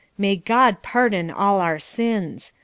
May God pardon all our sins!